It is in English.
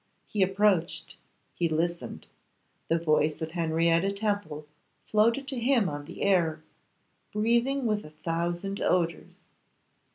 He approached, he listened; the voice of Henrietta Temple floated to him on the air, breathing with a thousand odours.